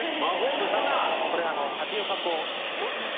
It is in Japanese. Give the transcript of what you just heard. これはあのタピオカ粉ですね